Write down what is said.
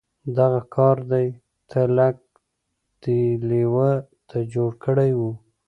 دغه کار دی تلک دې لېوه ته جوړ کړی و.